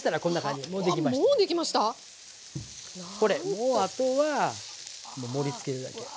もうあとはもう盛りつけるだけ。